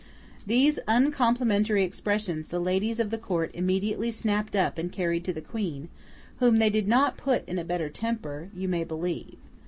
These uncomplimentary expressions the ladies of the Court immediately snapped up and carried to the Queen, whom they did not put in a better tempter, you may believe.